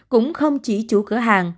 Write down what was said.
cũng không chỉ chủ cửa hàng